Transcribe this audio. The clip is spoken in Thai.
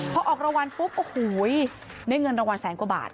พอออกรางวัลปุ๊บโอ้โหได้เงินรางวัลแสนกว่าบาท